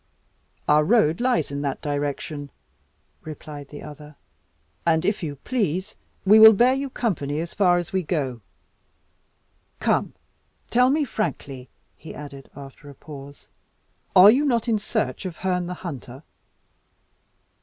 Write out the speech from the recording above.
"Our road lies in that direction," replied the other, "and, if you please, we will bear you company as far as we go. Come, tell me frankly," he added, after a pause, "are you not in search of Herne the Hunter?"